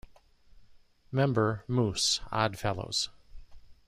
Member, Moose; Odd Fellows.